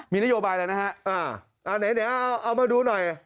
มีนโยบายอะไรนะฮะเอามาดูหน่อย